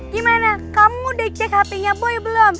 gimana kamu udah cek hpnya boy belum